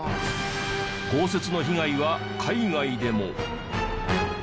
豪雪の被害は海外でも！